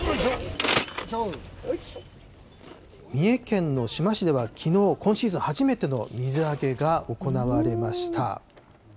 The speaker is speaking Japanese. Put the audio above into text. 三重県の志摩市ではきのう、今シーズン初めての水揚げが行われました。